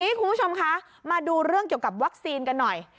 คุณผู้ชมคะมาดูเรื่องเกี่ยวกับวัคซีนกันหน่อย